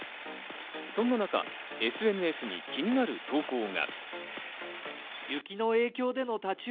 そんな中、ＳＮＳに気になる投稿が。